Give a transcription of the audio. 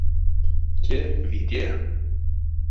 Те виде.